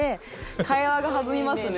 会話が弾みますね。